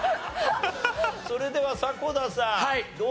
それでは迫田さんどうでしょう？